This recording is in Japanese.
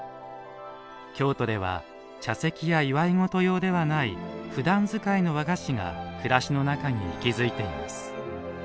京都では茶席や祝いごと用ではないふだん使いの和菓子が暮らしの中に息づいています。